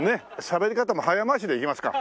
しゃべり方も早回しでいきますか。